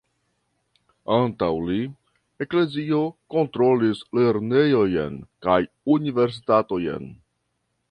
Antaŭ li, Eklezio kontrolis lernejojn kaj Universitatojn.